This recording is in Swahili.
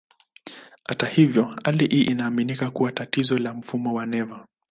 Hata hivyo, hali hii inaaminika kuwa tatizo la mfumo wa neva.